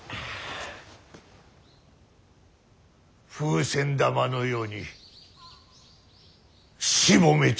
風船玉のようにしぼめちゃる。